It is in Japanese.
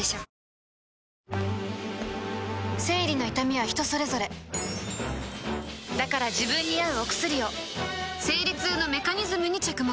生理の痛みは人それぞれだから自分に合うお薬を生理痛のメカニズムに着目